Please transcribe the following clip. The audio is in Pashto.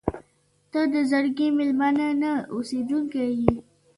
• ته د زړګي مېلمانه نه، اوسېدونکې یې.